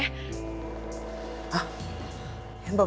hah ian babak belur kenapa ray